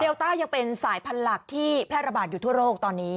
ต้ายังเป็นสายพันธุ์หลักที่แพร่ระบาดอยู่ทั่วโลกตอนนี้